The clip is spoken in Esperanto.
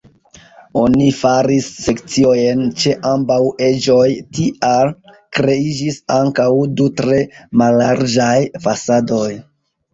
Oni faris sekciojn ĉe ambaŭ eĝoj, tial kreiĝis ankaŭ du tre mallarĝaj fasadoj.